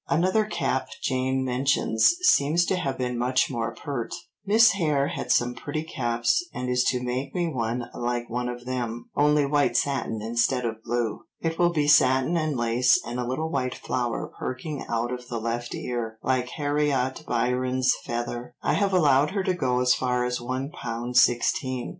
Another cap Jane mentions seems to have been much more pert: "Miss Hare had some pretty caps and is to make me one like one of them, only white satin instead of blue. It will be satin and lace and a little white flower perking out of the left ear, like Harriot Byron's feather. I have allowed her to go as far as one pound sixteen."